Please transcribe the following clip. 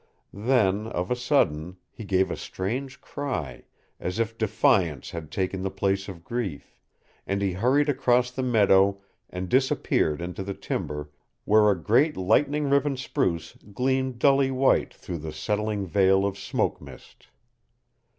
Then, of a sudden, he gave a strange cry, as if defiance had taken the place of grief, and he hurried across the meadow and disappeared into the timber where a great lightning riven spruce gleamed dully white through the settling veil of smoke mist.